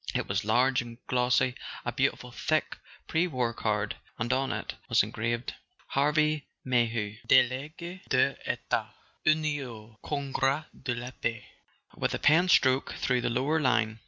It was large and glossy, a beautiful thick pre war card; and on it was engraved: HARVEY MAYHEW DelSguS des Etats Unis au Congrfa de la Paix with a pen stroke through the lower line.